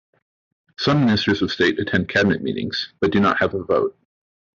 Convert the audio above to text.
Some Ministers of State attend cabinet meetings but do not have a vote.